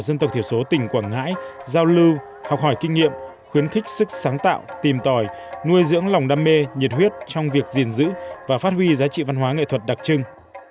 dân tộc thiểu số tỉnh quảng ngãi giao lưu học hỏi kinh nghiệm khuyến khích sức sáng tạo tìm tòi nuôi dưỡng lòng đam mê nhiệt huyết trong việc gìn giữ và phát huy giá trị văn hóa nghệ thuật đặc trưng